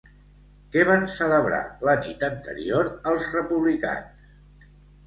Què van celebrar la nit anterior els republicans?